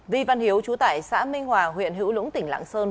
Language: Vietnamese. vi văn hiếu chú tại xã minh hòa huyện hữu lũng tỉnh lạng sơn